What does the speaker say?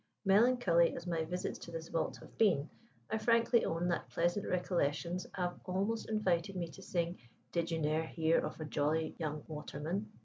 Melancholy as my visits to this vault have been, I frankly own that pleasant recollections have almost invited me to sing, 'Did you ne'er hear of a jolly young waterman?